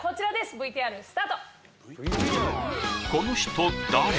ＶＴＲスタート！